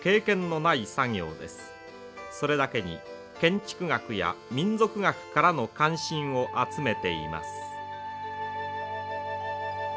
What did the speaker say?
それだけに建築学や民俗学からの関心を集めています。